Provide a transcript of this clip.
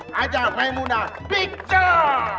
haji maemunah bikcol